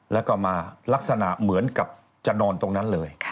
แล้วก็มาลักษณะเหมือนกับจะนอนตรงนั้นเลย